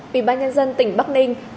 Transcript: vị ban nhân dân tỉnh bắc ninh